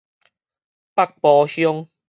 北埔鄉